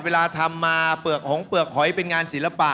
เวลาทำมาเปลือกหอยเป็นงานศิลปะ